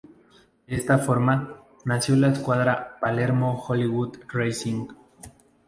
De esta forma, nació la escuadra "Palermo Hollywood Racing".